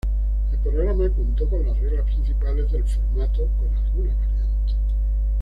El programa contó con las reglas principales del formato, con algunas variantes.